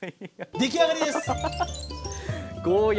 出来上がりです！